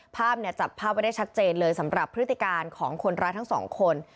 ภาพเนี่ยจับภาพไว้ได้ชัดเจนเลยสำหรับพฤติการของคนร้ายทั้งสองคน